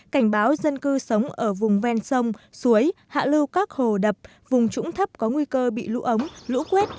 cảnh báo dân cư sống ở vùng ven sông suối hạ lưu các hồ đập vùng trũng thấp có nguy cơ bị lũ ống lũ quét